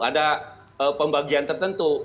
ada pembagian tertentu